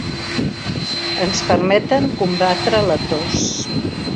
Ens permeten combatre la tos.